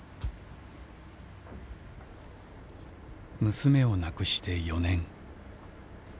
娘を亡くして４年。